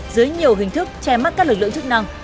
dưới nhiều hình thức che mắt các lực lượng chức năng